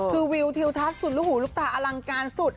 คือวิวทิวทัศน์สุดลูกหูลูกตาอลังการสุด